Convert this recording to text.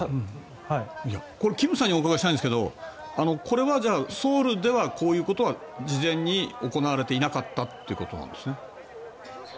金さんにお伺いしたいんですけどこれはソウルではこういうことは事前に行われていなかったということですね。